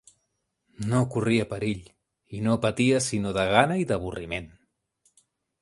No corria perill, i no patia sinó de gana i d'avorriment